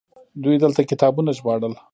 دوی دلته کتابونه ژباړل